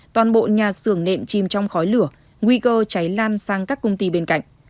toàn bộ nhà xưởng nệm chìm trong khói lửa nguy cơ cháy lan sang các công ty bên cạnh